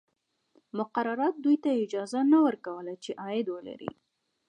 مقرراتو دوی ته اجازه نه ورکوله چې عاید ولري.